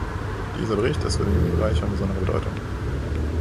Dieser Bericht ist für den Jugendbereich von besonderer Bedeutung.